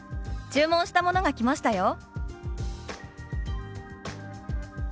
注文したものが来ましたよ」。